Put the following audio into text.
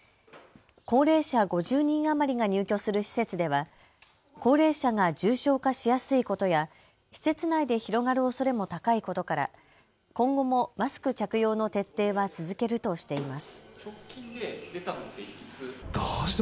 高齢者５０人余りが入居する施設では高齢者が重症化しやすいことや施設内で広がるおそれも高いことから今後もマスク着用の徹底は続けるとしています。